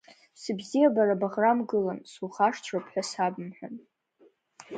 Сыбзиабара баӷрамгылан Сухашҭроуп ҳәа сабымҳәан…